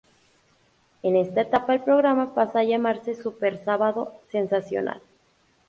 En esta etapa el programa pasa a llamarse Súper Sábado Sensacional.